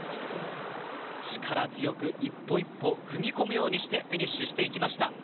力強く一歩一歩踏み込むようにしてフィニッシュしていきました